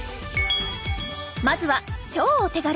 まずは超お手軽！